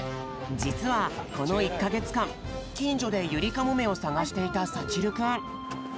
じつはこの１かげつかんきんじょでユリカモメをさがしていたさちるくん。